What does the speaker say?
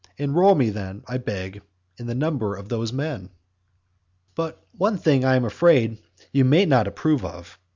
Enrol me then, I beg, in the number of those men. XIV. But one thing I am afraid you may not approve of.